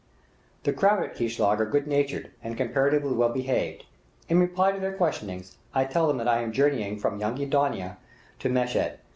The crowd at Kishlag are good natured and comparatively well behaved. In reply to their questionings, I tell them that I am journeying from Yenghi Donia to Meshed.